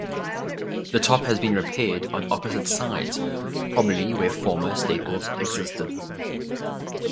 The top has been repaired on opposite sides, probably where former staples existed.